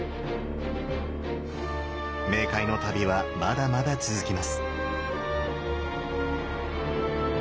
冥界の旅はまだまだ続きます。